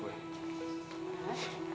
gua gak bisa jadi orang kaya